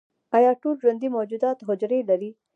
ایا ټول ژوندي موجودات حجرې لري؟